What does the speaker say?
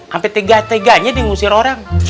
ampe teganya teganya diusir orang